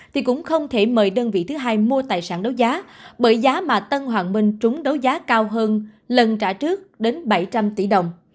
thì cũng không thể mời đơn vị thứ hai mua tài sản đấu giá bởi giá mà tân hoàng minh trúng đấu giá cao hơn lần trả trước đến bảy trăm linh tỷ đồng